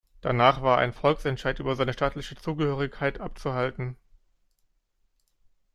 Danach war ein Volksentscheid über seine staatliche Zugehörigkeit abzuhalten.